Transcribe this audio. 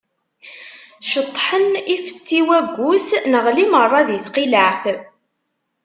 Ceṭḥen ifessi waggus, neγli meṛṛa di tqileԑt.